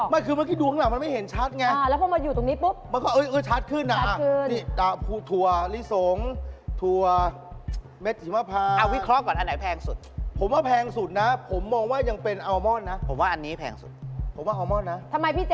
พี่ไม่คิดว่าทีมงานเขาจะคิดว่าพี่คิดอย่างนี้